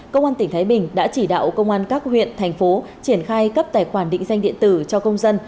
công an tỉnh thái bình đã chỉ đạo công an các huyện thành phố triển khai cấp tài khoản định danh điện tử cho công dân